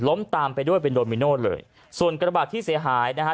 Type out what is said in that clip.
ตามไปด้วยเป็นโดมิโน่เลยส่วนกระบาดที่เสียหายนะฮะ